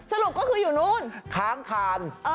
สรุปก็คืออยู่นู้นค้างคาน